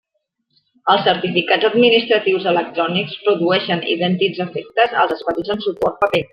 Els certificats administratius electrònics produeixen idèntics efectes als expedits en suport paper.